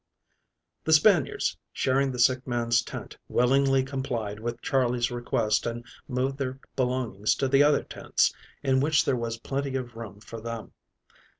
THE Spaniards sharing the sick man's tent willingly complied with Charley's request and moved their belongings to the other tents in which there was plenty of room for them.